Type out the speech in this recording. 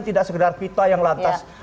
tidak sekedar pita yang lantas